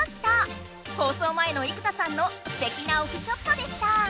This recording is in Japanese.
放送前の生田さんのすてきなオフショットでした！